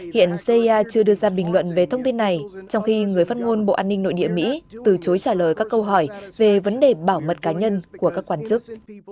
hiện cia chưa đưa ra bình luận về thông tin này trong khi người phát ngôn bộ an ninh nội địa mỹ từ chối trả lời các câu hỏi về vấn đề bảo mật cá nhân của các quan chức